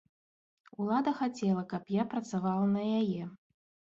Улада хацела, каб я працавала на яе.